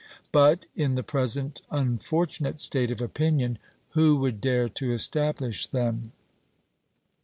But, in the present unfortunate state of opinion, who would dare to establish them?